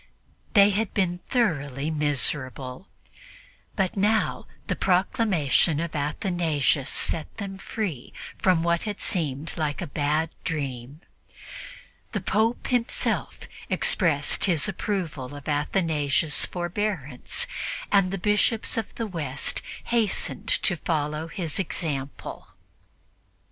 They had been thoroughly miserable, but now the proclamation of Athanasius set them free from what had seemed like a bad dream. The Pope himself expressed his approval of Athanasius' forbearance, and the Bishops of the West hastened to follow his example.